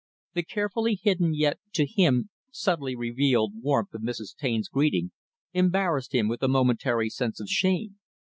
The carefully hidden, yet to him subtly revealed, warmth of Mrs. Taine's greeting embarrassed him with a momentary sense of shame.